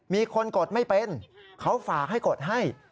มีคนกดไม่เป็นเขาฝากให้กดให้